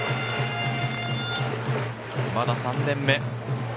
まだ３年目。